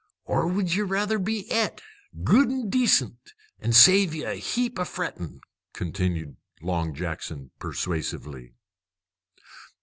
"Or would ye rather be et, good an' decent, an' save ye a heap o' frettin'?" continued Long Jackson persuasively.